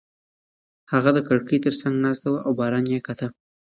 هغه د کړکۍ تر څنګ ناسته وه او باران یې کاته.